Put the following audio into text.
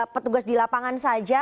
petugas di lapangan saja